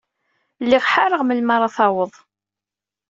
Lliɣ ḥareɣ melmi ara d-taweḍ.